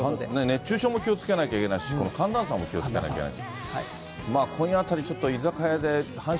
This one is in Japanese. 熱中症も気をつけなきゃいけないし、寒暖差も気をつけなきゃいけない。